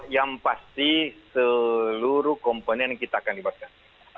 yang pasti seluruh komponen kita akan libatkan